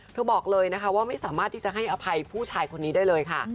บอกเลยนะคะว่าไม่สามารถที่จะให้อภัยผู้ชายคนนี้ได้เลยค่ะ